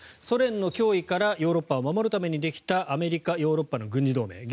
ソ連の脅威からヨーロッパを守るためにできたアメリカ、ヨーロッパの軍事同盟。